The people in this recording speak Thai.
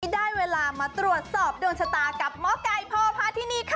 ได้เวลามาตรวจสอบดวงชะตากับหมอไก่พ่อพาที่นี่ค่ะ